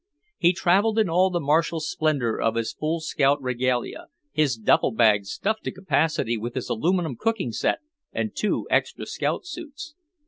He traveled in all the martial splendor of his full scout regalia, his duffel bag stuffed to capacity with his aluminum cooking set and two extra scout suits.